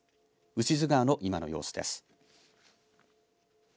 牛津川の今の様子です。